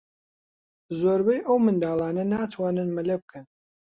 زۆربەی ئەو منداڵانە ناتوانن مەلە بکەن.